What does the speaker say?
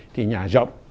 thì nhà rộng